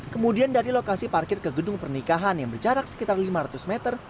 kemudian dari lokasi parkir ke gedung pernikahan yang berjarak sekitar lima ratus meter